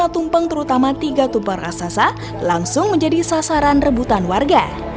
dua puluh lima tumpeng terutama tiga tumpeng raksasa langsung menjadi sasaran rebutan warga